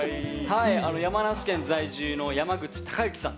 山梨県在住の山口隆之さん。